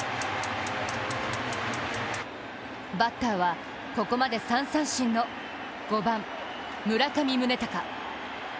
バッターはここまで３三振の５番・村上宗隆。